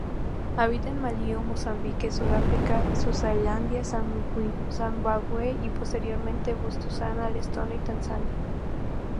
Habita en Malaui, Mozambique, Sudáfrica, Suazilandia, Zimbabue y, posiblemente Botsuana, Lesoto y Tanzania.